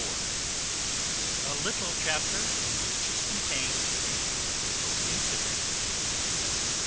A little chapter, in which is contained a little incident.